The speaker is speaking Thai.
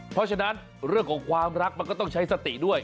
เพราะฉะนั้นเรื่องของความรักมันก็ต้องใช้สติด้วย